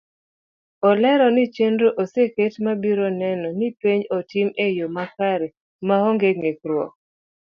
Olero ni chenro oseket mabiro neno ni penj otim eyo makre maonge ngikruok.